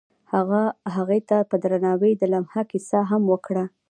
هغه هغې ته په درناوي د لمحه کیسه هم وکړه.